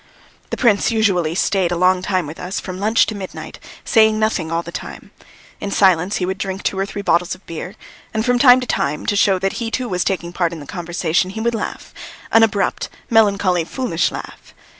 The prince usually stayed a long time with us, from lunch to midnight, saying nothing all the time; in silence he would drink two or three bottles of beer, and from time to time, to show that he too was taking part in the conversation, he would laugh an abrupt, melancholy, foolish laugh.